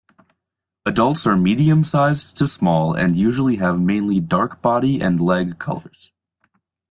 Adults are medium-sized to small and usually have mainly dark body and leg colours.